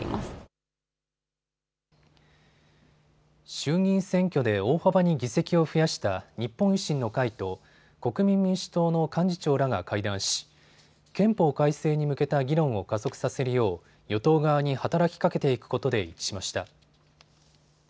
衆議院選挙で大幅に議席を増やした日本維新の会と国民民主党の幹事長らが会談し憲法改正に向けた議論を加速させるよう与党側に働きかけていくことで一致しました。